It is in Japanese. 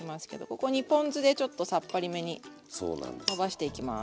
ここにポン酢でちょっとさっぱりめにのばしていきます。